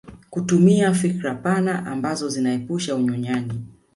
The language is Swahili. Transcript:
Kutumia fikra pana ambazo zinaepusha unyonyaji